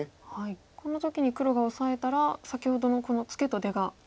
この時に黒がオサえたら先ほどのこのツケと出が利かしに。